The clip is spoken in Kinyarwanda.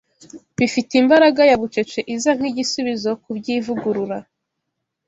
Bifite imbaraga ya bucece iza nk’igisubizo ku by’ivugurura